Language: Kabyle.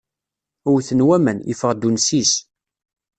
Wwten waman, yeffeɣ-d unsis.